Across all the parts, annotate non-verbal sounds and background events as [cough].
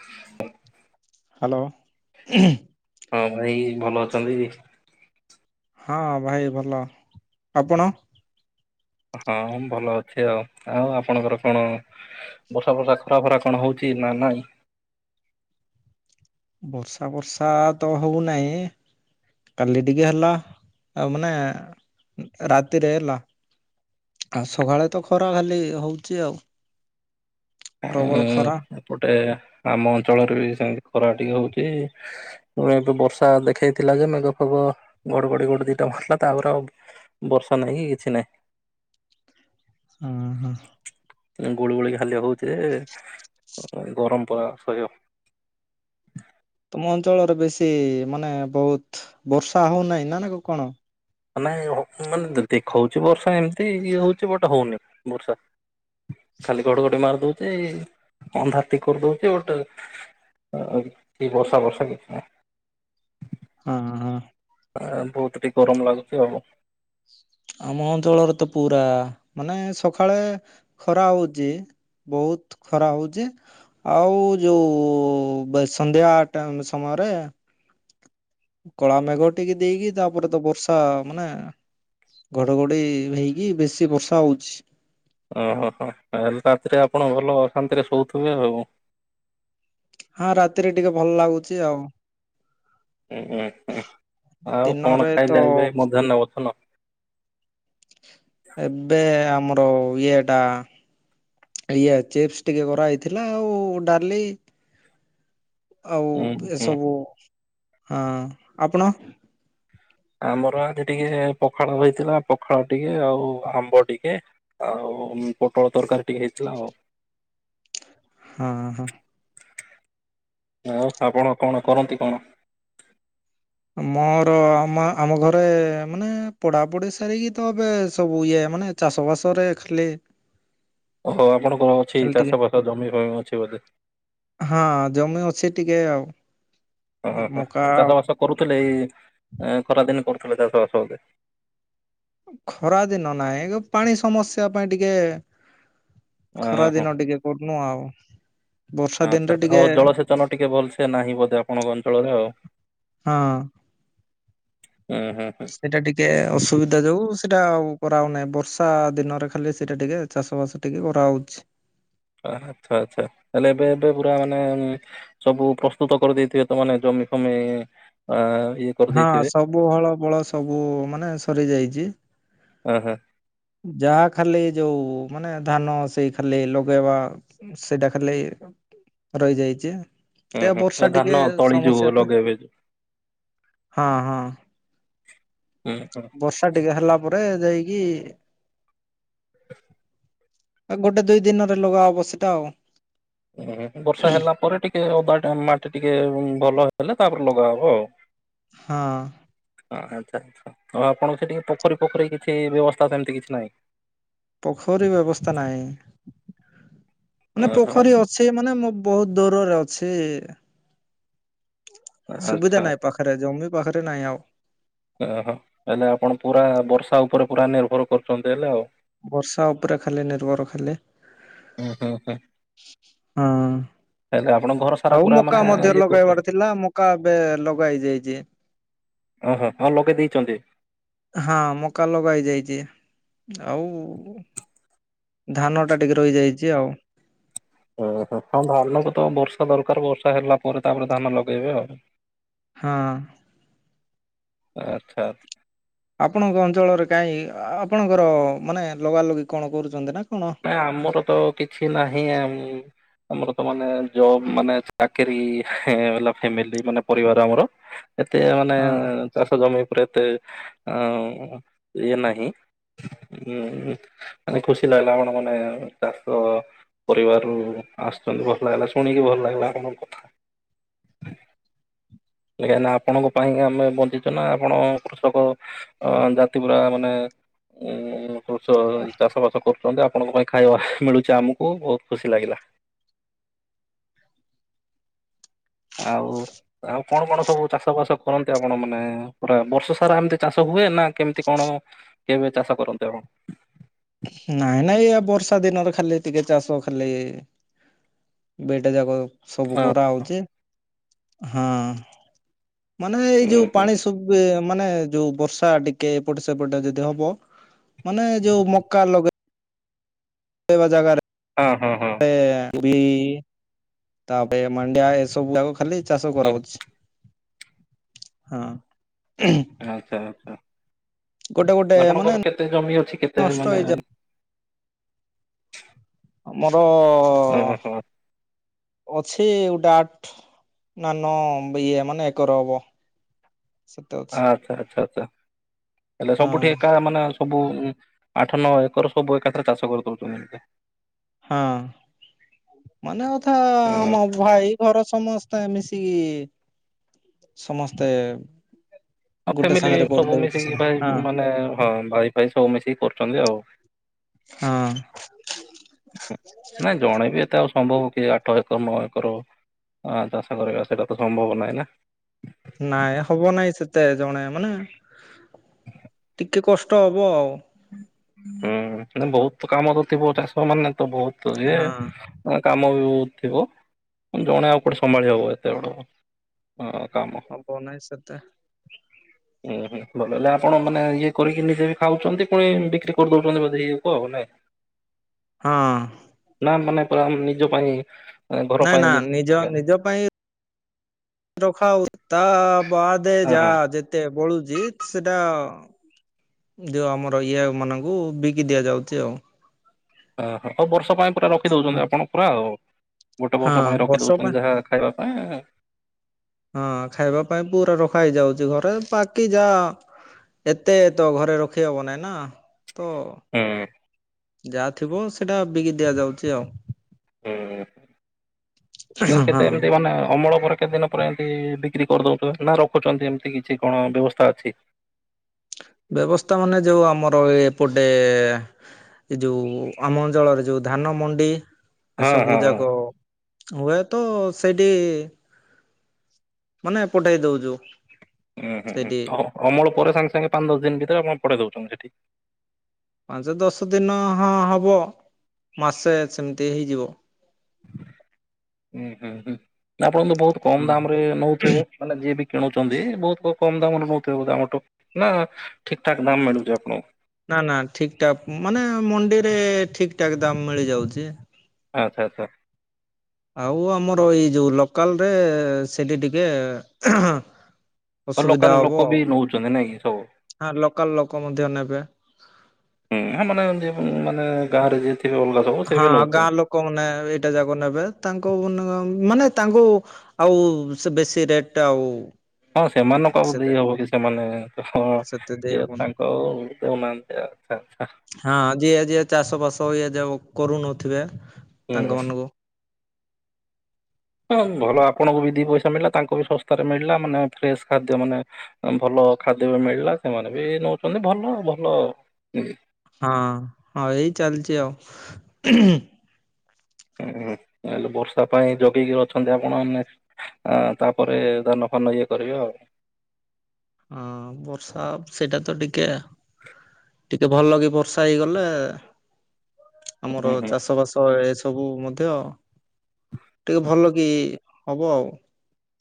ହ ହ୍ୟାଲୋ। ହଁ ଭାଇ ଭଲ ଅଛନ୍ତି। ହଁ ଭାଇ ଭଲ ଆପଣ। ହଁ ଭଲ ଅଛି ଆଉ ଆଉ ଆପଣଙ୍କର କଣ? ବର୍ଷା ଫର୍ଷା ଖରା ଫରା କଣ ହଉଛି ନା ନାଇଁ? ବର୍ଷା ବର୍ଷା ତ ହଉନାହିଁ। କାଲି ଟିକେ ହେଲା ଆଉ ମାନେ ରାତିରେ ହେଲା। ଆଉ ସକାଳେ ତ ଖରା ଖାଲି ହଉଚ ଆଉ। ପ୍ରବଳ ଖରା ଉଁ ଏପଟେ ଆମ ଅଞ୍ଚଳରେ ବି ସେମତି ଖରା ଟିକେ ହଉଛି ଏବେ ବର୍ଷା ଦେଖେଇଥିଲା ଯେ ମେଘ ଫେଗ ଗଡ ଗଡି ଗୋଟେ ଦିଟା [unintelligible] ତାପରେ ଆଉ ବର୍ଷା ନାହିଁ କି କିଛି ନାହିଁ। ହୁଁ ହୁଁ। ଗୁଳି ଗୁଳି ଖାଲି ହଉଛି। ଗରମ ପ ଅସୟ। ତମ ଅଞ୍ଚଳରେ ବେଶୀ ମାନେ ବହୁତ ବର୍ଷା ହଉନାହିଁ ନା ନା କ କଣ? ମାନ ମାନେ ଦେ-ଦେଖଉଛି ବର୍ଷା ଏମିତି ଇଏ ହଉଛି ବଟ ହଉନି ବର୍ଷା। ଖାଲି ଗଡ ଗଡି ମାରି ଦଉଛି ଅନ୍ଧାର ଟିକେ କରିଦଉଛି ଗୋଟେ ଅ କି ବର୍ଷା ବର୍ଷା କିଛି ନାହିଁ। ହଁ ହଁ। ଆ ବହୁତ ଟିକେ ଗରମ ଲାଗୁଛି ହଉ। ଆମ ଅଞ୍ଚଳରେ ତ ପୁରା ମାନେ ସକାଳେ ଖରା ହଉଛି। ବହୁତ ଖରା ହଉଚ ଆଉ ଯୋଉ ବେ ସନ୍ଧ୍ୟା ଆଟା ସମୟ ଘରେ କଳା ମେଘ ଟିକେ ଦେଇକି ତାପରେ ତ ବର୍ଷା ମାନେ ଘଡଘଡି ହେଇକି ବେଶୀ ବର୍ଷା ହଉଛି। ଓହୋ ତାହେଲେ ରାତିରେ ଆପଣ ଭଲ ଶାନ୍ତିରେ ଶୋଉଥିବେ ଆଉ। ହଁ ରାତିରେ ଟିକେ ଭଲ ଲାଗୁଛି ଆଉ। ଉୁଁଁ ହୁଁ ଆଉ କଣ ଦିନରେ ତ ଖାଇଲେ ଏବେ ମଧ୍ୟାହ୍ନ ଭୋଜନ। ଏବେ ଆମର ଇଏଟା ଇଏ ଚିପ୍ସ ଟିକେ କରାହେଇଥିଲା ଆଉ ଡାଲି ଆଉ ହୁଁ ହୁଁ ଏସବୁ ହଁ ଆପଣ ଆମର ଆଜି ଟିକେ ପଖାଳ ରହିଥିଲା ପଖାଳ ଟିକେ ଆଉ ଆମ୍ବ ଟିକେ ଆଉ ପୋଟଳ ତରକାରୀ ଟିକେ ହେଇଥିଲା ଆଉ ହଁ ହଁ। ଆଉ ଆପଣ କଣ କରନ୍ତି। କଣ? ମୋର ଆମ ଆମ ଘରେ ମାନେ ପଢାପଢି ସାରିକି ତ ଏବେ ସବୁ ଇଏ ମାନେ ଚାଷବାସରେ ଖାଲି ଓହୋ ଆପଣଙ୍କର ଅଛି ଖାଲି ଟିକେ ଚାଷ ଫସ ଜମି ଫମି ଅଛି ବୋଧେ ସେ ଟିକେ ଆଉ ମକା ଆଉ [unintelligible] କରଥିଲେ ଏଇ ଖରାଦିନ କରୁଥିଲେ ଚାଷ ବାସ ଆଗେ ଖରା ଦିନ ନହିଁ ପାଣି ସମସ୍ୟା ପାଇଁ ଟିକେ ଖରା ଦିନ ଟିକେ କରୁନୁ ଆଉ ବର୍ଷା ଦିନରେ ଟିକେ ଆଚ୍ଛାଆଉ ଜଳସେଚନ ଟିକେ ଭଲସେ ନାହିଁ ବୋଧେ ଆପଣଙ୍କ ଅଞ୍ଚଳରେ ଆଉ ହଁ। ହୁଁ ହୁଁ ହୁଁ ସେଇଟା ଟିକେ ଅସୁବିଧା ଯାଉ ସେଟା ଆଉ କରାହେଉନାହିଁ ବର୍ଷା ଦିନରେ ଖାଲି ସେଇଟା ଟିକେ ଚାଷ ବାସ ଟିକେ କରାହଉଛି। ଆଚ୍ଛା ଆଚ୍ଛା ହେଲେ ଏବେ ଏବେ ପୁରା ମାନେ ସବୁ ପ୍ରସ୍ତୁତ କରିଦେଇଥିବେ ତମ ନଜରେ [unintelligible] ହଁ ସବୁ ହଳ ବଳ ସବୁ ମାନେ ସରି ଯାଇଛି। ଅହୋ। ଯାହା ଖାଲି ଯୋଉ ମାନେ ଧାନ ସେଇ ଖାଲି ଲଗେଇବା ସେଇଟା ଖାଲି ରହିଯାଇଛି। ହୁଁ ଏ ହୁଁ ବର୍ଷା ଧାନ ଟିକେ ତଳି ଯୋଉ ସମସ୍ୟା ପାଇଁ ଲଗେଇବେ ଯୋଉ ହଁ ହଁ। ହୁଁ ହୁଁ ବର୍ଷା ଟିକେ ହେଲା ପରେ ଯାଇକି [inaudible] ଗୋଟେ ଦୁଇ ଦିନରେ ଲଗା ହବ ସେଟା ଆଉ ହୁଁ ବର୍ଷା ହେଲା ପରେ ଟିକେ ଓଦା ଟ ମାଟି ଟିକେ ଭଲ। ହେଲେ ତାପରେ ଲଗାହବ ଆଉ ହଁ। ହଁ ଆଚ୍ଛା ଆଚ୍ଛା ଆଉ ଆପଣଙ୍କୁ ସେ ଟିକେ ପୋଖରୀ ପୋଖରୀ କିଛି ବ୍ୟବସ୍ଥା ସେମିତି କିଛି ନାହିଁ। ପୋଖରୀ ବ୍ୟବସ୍ଥା ନାଇଁ। ମାନେ ଓହୋ ପୋଖରୀ ଅଛି ମାନେ ମୁଁ ବହୁତ ଦୂରରେ ଅଛି। ସୁବିଧା ଆଚ୍ଛା ନାହିଁ ପାଖରେ ଜମି ପାଖରେ ନାହିଁ ଆଉ ଓହୋ ହେଲେ ଆପଣ ପୁରା ବର୍ଷା ଉପରେ ପୁରା ନିର୍ଭର କରୁଛନ୍ତି। ହେଲେ ଆଉ ବର୍ଷା ଉପରେ ଖାଲି ନିର୍ଭର ଖାଲି ହୁଁ ହୁଁ ହୁଁ ହଁ। ହେଲେ ଆପଣଙ୍କ ଘର ସାରା ଆଉ ପୁରା ମାନେ ମକା ମଧ୍ୟ ଇଏ କରୁଛନ୍ତି ଲଗେଇବାର ଥିଲା ମକା ଏବେ ଲଗା ହେଇ ଯାଇଛି। ଓହୋ ହୋଉ। ହଁ ମକା ଲଗା ହେଇଯାଇଛି। ଆଉ ଧାନ ଟା ଟିକେ ରହିଯାଇଛି ଆଉ ଓହୋ ହଁ ଧାନକୁ ତ ବର୍ଷା ଦରକାର ବର୍ଷା ହେଲା ପରେ ତାପରେ ଧାନ ଲଗେଇବା ଆଉ ହଁ। ଆଚ୍ଛା। ଆପଣଙ୍କ ଅଞ୍ଚଳରେ କାହିଁ ଆପଣଙ୍କର ମାନେ ଲଗାଲଗି କଣ କରୁଛନ୍ତି ନା କଣ ହଁ ନା ଆମର ତ କିଛି ନାହିଁ। ଆମର ତ ମାନେ ଜବ ମାନେ ଚାକିରୀ ଫାମିଲି ମାନେ ପରିବାର ଆମର। ଏତେ ମାନେ ହଁ ଚାଷ ଜମି ଉପରେ ଏତେ ଆ ଇଏ ନାହିଁ ଉଁ ମାନେ ଖୁସି ଲାଗିଲା ଆ ଆ ମାନେ ଚାଷ ପରିବାରରୁ ଆସୁଛନ୍ତି ଭଲ ଲାଗିଲା ଶୁଣିକି ଭଲ ଲାଗିଲା ଆପଣ କଥା। [inaudible] କାଁ ନା ଆପଣଙ୍କ ପାଇଁ ଆମେ ବଞ୍ଚିଛୁ ନା ଆପଣ କୃଷକ ଜାତି ପୁରା ମାନେ ଉଁ କୃଷ ଚାଷ ବାସ କରୁଛନ୍ତି। ଆପଣଙ୍କ ପାଇଁ ଖାଇବା ମିଳୁଛି ଆମକୁ ବହୁତ ଖୁସି ଲାଗିଲା। [inaudible] ଆଉ ଆଉ କଣ କଣ ସବୁ ଚାଷ ବାସ କରନ୍ତି ଆପଣ ମାନେ ପୁରା ବର୍ଷ ସାରା ଏମିତି ଚାଷ ହୁଏ ନା କେମିତି କଣ କେବେ ଚାଷ କରନ୍ତୁ ଆ ନାଇଁ ନାଇଁ ଏଇଆ ବର୍ଷା ଦିନରେ ଖାଲି ଟିକେ ଚାଷ ଖାଲି ବେଟା ଯାକ ସବୁ ହଁ କରା ହଉଛି ହଁ। ମାନେ ଏଇ ହୁଁ ଯୋଉ ହୁଁ ପାଣି ସବୁ ମାନେ ଯୋଉ ବର୍ଷା ଟିକେ ଏପଟେ ସେପଟେ ଯଦି ହବ ମାନେ ଯୋଉ ମକା ଲଗେଇ ସେ ବଜାଗ ହଁ ହଁ ହଁ। ପୀ ତାପରେ ମାଣ୍ଡିଆ ଏସବୁ ଯାକ ଖାଲି ଚାଷ ହୁଁ କରାହଉଛି। ହଁ। ଆଚ୍ଛା ଆଛା। ଗୋଟେ ଗୋଟେ ଅପଣଙ୍କ ମାନେ କର କେତେ ଜମି ଅଛି କେତେ ନଷ୍ଟ ମାନେ ହେଇଯାଉ ଆମର ଓହୋ ଅଛି ା ନାନ ଇଏ ମାନେ ଏକର ହବ। ସେତେ ଅଛି ଆଚ୍ଛା ଆଛା ଆଛା ହେଲେ ହଁ ସବୁଠି ଏକା ମାନେ ସବୁ ଆଠ ନଅ ଏକର ସବୁ ଏକାଥରେ ଚାଷ କରିଦଉଛନ୍ତି। ହଁ ମାନେ ଅଧା ହଁ ଆମ ଭାଇ ଘର ସମସ୍ତେ ମିଶିକି ସମସ୍ତେ ହ ଗୋଟେ ଫ୍ୟାମିଲି ସାଙ୍ଗରେ ସବୁ କରିଦଉଛି ମିଶିକି ସିନା ହଁ ଭାଇ ମାନେ ହଁ ଭାଇ ଭାଇ ସବୁ ମିଶିକି କରୁଛନ୍ତି ଆଉ। ହଁ ନାଇ ଜଣେ ବି ଏତେ ସମ୍ଭବ କିଏ ଆଠ ଏକର ନଅ ଏକର ଚାଷ କରିବା ସେଇଟା ତ ସମ୍ଭବ ନାହିଁ ନା। ନାଇଁ ହବ ନାଇଁ ସେତେ ଜଣେ ମାନେ ଟିକେ କଷ୍ଟ ହେବ ଆଉ। ହୁଁ ବହୁତ କାମ ଅ ଥିବ ଚାଷ ମାନେ ତ ବହୁତ ଇ ହଁ କାମ ବି ଥିବ ଜଣେ ଆଉ କୋଟେ ସମ୍ଭାଳି ହବ ଏତେ ବଡ। ହଁ କାମ ହବ ନାଇଁ ସେତେ ହୁଁ ହୁଁ। ଭଲ ହେଲା ଆପଣ ମାନେ ଇଏ କରିକି ନିଜେ ବି ଖାଉଛନ୍ତି ପୁଣି ବିକିରି କରିଦଉଛନ୍ତି ବୋଧେ ହେଇଯ କୁ ଆଉ ନାଇଁ ହଁ। ନା ମାନେ ପୁର ଆମେ ନିଜ ପାଇଁ ଏ, ଘର ନା ପାଇଁ ନା ଇଏ ନିଜ ହଁ ନିଜ ପାଇଁ ରଖ ତ ବଦେ ଯା ହଁ ଯେତେ ବଳୁଚିତ ସେଟା ଯଉ ଆମର ଇଏ ମାନଙ୍କୁ ବିକି ଦିଆଯାଉଛି ଆଉ। ଓ ହୋ ଆଉ ବର୍ଷ ପାଇଁ ପୁରା ହଁ। ରଖିଦଉଛନ୍ତି ଆପଣ ପୁରା ଆଉ। ଗୋଟେ ହଁ ବର୍ଷ ପାଇଁ ରଖି ବର୍ଷ ପାଇଁ ଦଉଛନ୍ତି ଯାହା ଖାଇବା ପାଇଁ ହଁ ଖାଇବା ପାଇଁ ପୁରା ରଖ ଖାଇଯାଉଛି ଘରେ ବାକି ଯା ଏତେ ତ ଘରେ ରଖି ହବ ନାଇଁ ନା। ତ ହୁଁ ଯାହା ଥିବ ସେଇଟା ବିକି ଦିଆଯାଉଛି ଆଉ। ହୁଁ ହଁ। କେତେ ମାନେ ଅମଳ କେତେ ଦିନ ପରେ ଏମିତି ବିକ୍ରି କରିଦଉଥିବ ନା ରଖୁଛନ୍ତି ଏମିତି କିଛି କଣ ବ୍ୟବସ୍ଥା ଅଛି? ବ୍ୟବସ୍ଥା ମାନେ ଯୋଉ ଆମର ଏ ଏପଟେ ଏ ଯୋଉ ଆମ ଅଞ୍ଚଳରେ ଯୋଉ ଧାନ ମଣ୍ଡି ହଁ ଏସବୁ ହଁ ହଁ ଯାକ ହୁଏତ ସେଇଠି, ମାନେ ପଠେଇ ଦଉଛୁ ଉୁଁ ହୁଁ ସେଇଠି ହୁଁ ହ ଅମଳ ପରେ ସାଙ୍ଗେ ସାଙ୍ଗେ ପାଞ୍ଚ ଦଶ ଦିନ ଭିତରେ ଆପଣ ପଠେଇ ଦାଉଛନ୍ତି ସେଠିକି। ପାଞ୍ଚ ଦଶ ଦିନ ହଁ ହବ ମାସେ ସେମିତି ହେଇଯିବ। ଁ ହୁଁ ହୁଁ ଆପଣ ତ ବହୁତ କମ ଦାମ ରେ ନଉଥିବେ ମାନେ ଯିଏ ବି କିଣୁଛନ୍ତି ବହୁତ କମ ଦାମରେ ନଉଥିବ ଦାମ, ନା ଠିକ ଠାକ ଦାମ ମିଳୁଛି ଆପଣଙ୍କୁ। ନା ନା ଠିକଠାକ ମାନେ ମଣ୍ଡିରେ ଠିକଠାକ ଦାମ ମିଳିଯାଉଛି। ଆଚ୍ଛା ଆଚ୍ଛା ଆଉ ଆମର ଏଇ ଯୋଉ ଲୋକାଲ ରେ ସେଠି ଟିକେ ଆଉ ଲୋକାଲ ଅସୁବିଧା ଲୋକ ହବ ବି ଆଉ ନଉଛନ୍ତି ନାଇଁ କି ସବୁ? ହ ଲୋକାଲ ଲୋକ ମଧ୍ୟ ନେବେ ମାନ ମାନେ ଗାଁରେ ଯେ ହଁ ଗାଁ ଲୋକ ମାନେ ଏଇଟା ଯାକ ନେବେ ତାଙ୍କ ମାନେ ମାନେ ତାଙ୍କୁ ଆଉ ସେ ବେଶୀ ରେଟ ଆଉ ହଁ ସେମାନଙ୍କୁ ଦେଇ ସେତେ ହବ କି ସେମାନେ ତ ସେତେ ଦେଇ ଇଏ ହବନି ତାଙ୍କ ଦେଉନାହାନ୍ତି। ଆଚ୍ଛା ଆଚ୍ଛା ହଁ ଯିଏ ଯିଏ ଚାଷ ବାସ ଇଏ ଯିଏ କରୁନଥିବେ ହୁଁ ତାଙ୍କ ମାନଙ୍କୁ ହଁ ଭଲ ଆପଣଙ୍କୁ ବି ଦୁଇ ପଇସା ମିଳିଲା ତାଙ୍କୁ ବି ଶସ୍ତାରେ ମିଳିଲା ମାନେ ଫ୍ରେସ୍ ଖାଦ୍ୟ ମାନେ ଭଲ ହଁ ଖାଦ୍ୟ ମିଳିଲା ସେମାନେ ବି ନଉଛନ୍ତି ଭଲ ଭଲ ହଁ ହଁ ଏଇ ଚାଲିଛି ଆଉ ହୁଁ ହେଲେ ବର୍ଷା ପାଇଁ ଜଗେଇକି ଅଛନ୍ତି ଆପଣ ମାନେ, ତାପରେ ଧାନ ଧାନ ଇଏ କରିବେ ଆଉ ହଁ ବର୍ଷା ସେଇଟା ତ ଟିକେ ଟିକେ ଭଲ କି ବର୍ଷା ହେଇଗଲେ ହୁଁ ଆମର ହୁଁ ଚାଷ ବାସ ଏସବୁ ମଧ୍ୟ ଟିକେ ଭଲ କି ହବ ଆଉ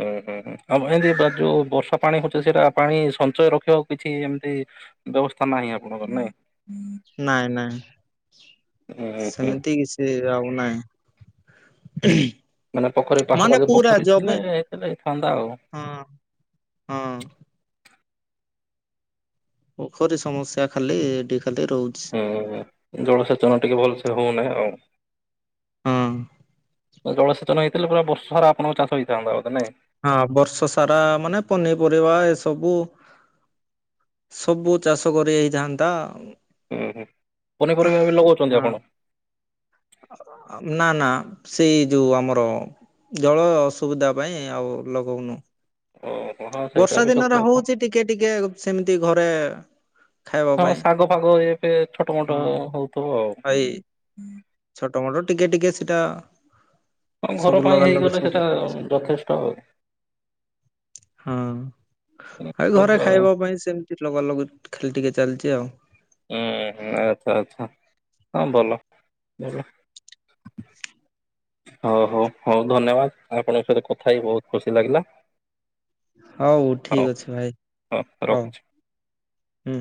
ହୁଁ ହୁଁ ହଁ ଆଉ ଏମିତି ଯୋଉ ବର୍ଷା ପାଣି ହେଉଛି ସେଇଟା ପାଣି ସଞ୍ଚୟ ରଖିବା କିଛି ଏମିତି ବ୍ୟବସ୍ଥା ନାହିଁ ଆପଣଙ୍କର ନାଇଁ ନାଇଁ ନାଇଁ ହୁଁ ହୁଁ ସେମିତି କିଛି ଆଉ ନାହିଁ। ହ [inaudible] ମାନେ ପୋଖରୀ ପାଖାପାଖି ପୋଖରୀ ଥିଲେ ହେଇଥିଲେ ହେଇଥାନ୍ତା ଆଉ ହଁ ହଁ ପୋଖରୀ ସମସ୍ୟା ଖାଲି ଟିକେ ହୁଁ ଜଳସେଚନ ଟିକେ ଭଲସେ ହେଉନାହିଁ ଆଉ। ହଁ ଜଳସେଚନ ହେଇଥିଲେ ପୁରା ବର୍ଷ ସାରା ଆପଣଙ୍କର ଚାଷ ହେଇଥାନ୍ତା ବୋଧେ ନାଇଁ? ହଁ ବର୍ଷ ସାରା ମାନେ ପନିପରିବା ଏସବୁ ସବୁ ଚାଷ କରି ହେଇଥାନ୍ତା। ହୁଁ ହୁଁ ପନିପରିବା ବି ଲଗାଉଛନ୍ତି ଆପଣ? ନା ନା ସେଇ ଯୋଉ ଆମର ଜଳ ଅସୁବିଧା ପାଇଁ ଆଉ ଲଗାଉନୁ। ଓହୋ ହଁ ସେଇଟା ବର୍ଷା ବି ସତ ଦିନରେ କଥା। ହଉଛି ଟିକେ ଟିକେ ସେମିତି ଘରେ ଖାଇବା ହଁ ପାଇଁ। ଶାଗ ଫାଗ ଏବେ ଛୋଟ ମୋଟ ହଁ। ହଉଥିବ ଆଉ। ଏଇ ଛୋଟ ମୋଟ ଟିକେ ଟିକେ ସେଟା ହଁ ଘର ସବୁ ପାଇଁ ଲଗା ଲଗି ହେଇଗଲେ ସବୁ ସେଟା ଚାଲିଛି। ଯଥେଷ୍ଟ ଆଉ ହଁ ହୁଁ ଆଉ ଘରେ ଖାଇବା ପାଇଁ ସେମିତି ଅଲଗା ଅଲଗା ଖେଲି ଟିକେ ଚାଲିଛି ଆଉ [inaudible] ହୁଁ ଆଚ୍ଛା ଆଚ୍ଛା ହଁ ଭଲ ଭଲ [inaudible] ହଉ ହଉ ହଉ ଧନ୍ୟବାଦ ଆପଣଙ୍କ ସହିତ କଥା ହେଇ ବହୁତ ଖୁସି ଲାଗିଲା। ହଉ ଠିକ ଅଛି ଭାଇ ହଉ, ହୁଁ।